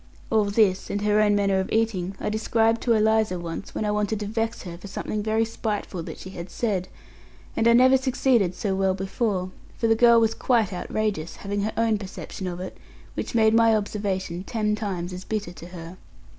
All this, and her own manner of eating, I described to Eliza once, when I wanted to vex her for something very spiteful that she had said; and I never succeeded so well before, for the girl was quite outrageous, having her own perception of it, which made my observation ten times as bitter to her.